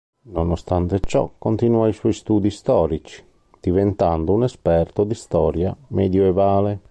Nonostante ciò continuò i suoi studi storici, diventando un esperto di storia medioevale.